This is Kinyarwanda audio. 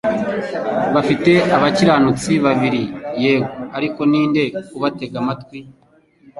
Bafite abakiranutsi babiri yego ariko ninde ubatega amatwi